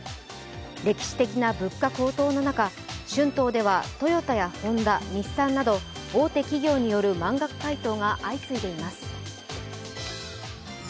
歴史的な物価高騰の中、春闘ではトヨタやホンダ、日産など、大手企業による満額回答が相次いでいます。